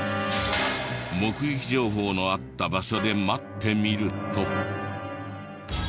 目撃情報のあった場所で待ってみると。